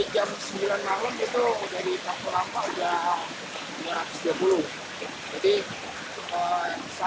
jam sembilan malam itu jadi waktu lampau sudah dua ratus dua puluh